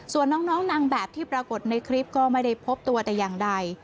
ส่วนน้องนางแบบที่ปรากฏในคลิปก็ไม่ได้พบตัวแต่อย่างใด